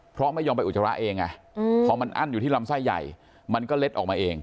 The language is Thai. เพราะไม่ยอมไปอุจจาระเองไงพอมันอั้นอยู่ที่ลำไส้ใหญ่มันก็เล็ดออกมาเอง